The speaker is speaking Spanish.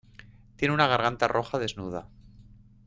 Tiene una garganta roja desnuda.